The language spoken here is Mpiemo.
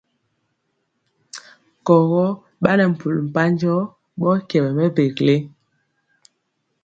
Kɔgɔ ɓa nɛ mpul mpanjɔ ɓɔɔ kyɛwɛ mɛvele.